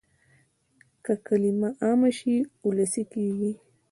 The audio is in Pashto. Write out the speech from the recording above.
که کلمه عامه شي وولسي کېږي.